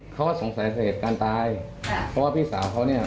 เขาสงสัยถึงเหตุการณ์ตายเพราะว่าพี่สาวเขาเนี่ย